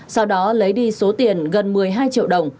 sau đó lấy đi số tiền gần một mươi hai triệu đồng